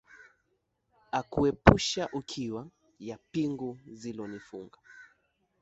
Ukauepusha ukiwa, ya pingu zilonifunga